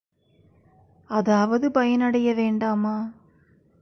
அதாவது பயனடைய வேண்டாமா?